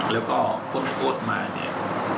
แล้วก็พ่นโทษมาเนี่ย